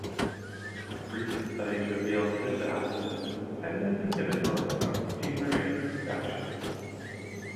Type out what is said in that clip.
Recent studies revealed this acid is a competitive inhibitor of fumarate reduction.